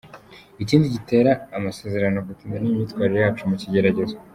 Ikindi gitera amasezerano gutinda ni imyitwarire yacu mu kigeragezo.